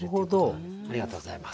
なるほどありがとうございます。